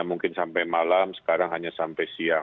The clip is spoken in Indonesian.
mungkin sampai malam sekarang hanya sampai siang